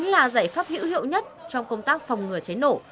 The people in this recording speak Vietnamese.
là nữ hiệu nhất trong công tác phòng ngừa cháy nổ